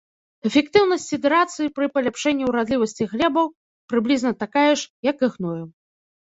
Эфектыўнасць сідэрацыі пры паляпшэнні ўрадлівасці глебаў прыблізна такая ж, як і гною.